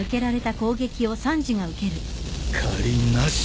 借りなし。